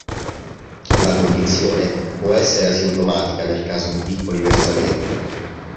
La condizione può essere asintomatica nel caso di piccoli versamenti.